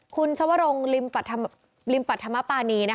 คุณชวรรมริมปัจธรรมปานีนะคะ